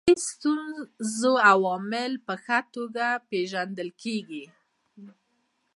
د دې ستونزې عوامل په ښه توګه پېژندل کیږي.